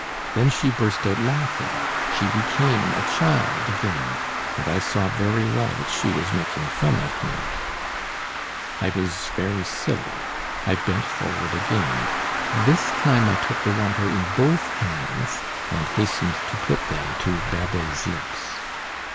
Then she burst out laughing, she became a child again, and I saw very well that she was making fun of me. I was very silly. I bent forward again. This time I took the water in both hands and hastened to put them to Babet's lips.